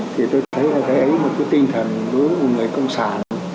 thì tôi thấy là cái ấy là một cái tinh thần đối với người công sản